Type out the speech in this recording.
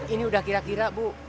ini udah kira kira bu